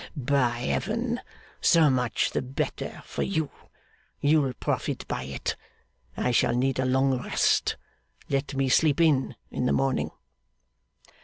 By Heaven! So much the better for you. You'll profit by it. I shall need a long rest. Let me sleep in the morning.